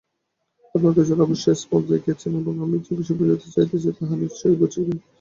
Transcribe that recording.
আপনারা দুইজনেই অবশ্য স্পঞ্জ দেখিয়াছেন এবং আমি যে-বিষয় বুঝাইতে যাইতেছি, তাহা নিশ্চয়ই বুঝিবেন।